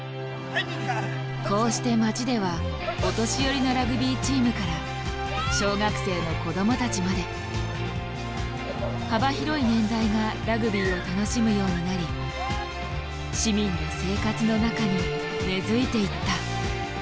こうして街ではお年寄りのラグビーチームから小学生の子どもたちまで幅広い年代がラグビーを楽しむようになり市民の生活の中に根づいていった。